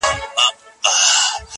ماتيږي چي بنگړي، ستا په لمن کي جنانه